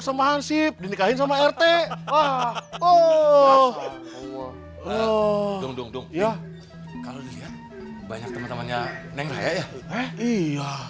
sama hansip dinikahin sama rt wah oh oh dong iya kalau banyak temannya neng raya ya iya